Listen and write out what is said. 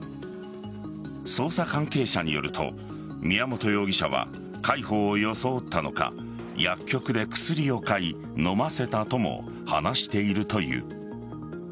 捜査関係者によると宮本容疑者は介抱を装ったのか薬局で薬を買い飲ませたとも話しているという。